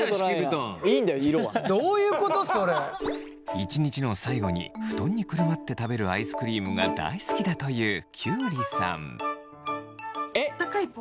一日の最後に布団にくるまって食べるアイスクリームが大好きだというきゅうりさん。